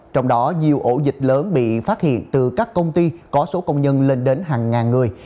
trong đó nhiều ổ dịch lớn bị phát hiện từ các công ty có số công nhân lên đến hàng ngàn người